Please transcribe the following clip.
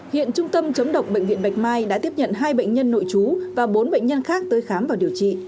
hiện trung tâm chống độc bệnh viện bạch mai đã tiếp nhận hai bệnh nhân nội chú và bốn bệnh nhân khác tới khám và điều trị